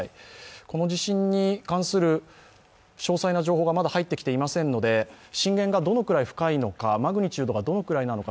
この地震に関する詳細な情報がまだ入ってきていませんので震源がどのくらい深いのかマグニチュードがどのくらいなのか